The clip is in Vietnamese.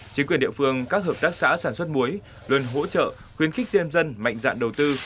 chính quyền địa phương các hợp tác xã sản xuất muối luôn hỗ trợ khuyến khích diêm dân mạnh dạn đầu tư